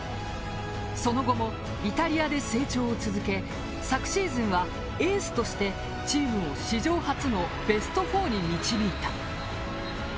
その後もイタリアで成長を続け昨シーズンは、エースとしてチームを史上初のベスト４に導いた。